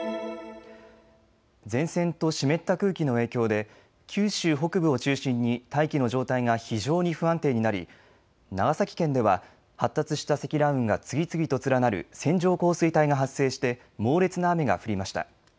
前線と湿った空気の影響で九州北部を中心に大気の状態が非常に不安定になり長崎県では発達した積乱雲が次々と連なる線状降水帯が発生して猛烈な雨が降りました。